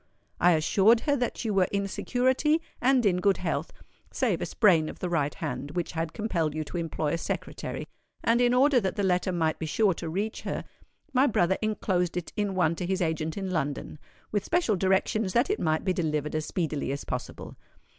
I assured her that you were in security and in good health, save a sprain of the right hand which had compelled you to employ a secretary; and in order that the letter might be sure to reach her, my brother enclosed it in one to his agent in London, with special directions that it might be delivered as speedily as possible.